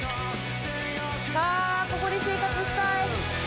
あここで生活したい。